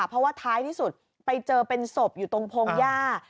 เพราะว่าท้ายที่สุดไปเจอเป็นศพอยู่ตรงพงหญ้า